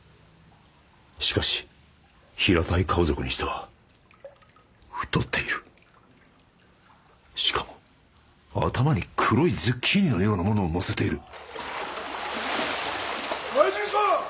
しかし平たい顔族にしては太っているしかも頭に黒いズッキーニのような物をのせている外人さん